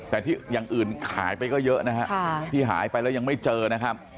แต่ที่อย่างอื่นขายไปก็เยอะนะฮะที่หายไปแล้วยังไม่เจอนะครับ